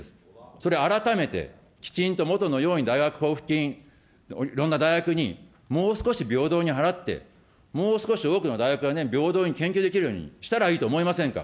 それ、改めてきちんともとのように大学交付金、いろんな大学にもう少し平等に払って、もう少し多くの大学が平等に研究できるようにしたらいいじゃないですか。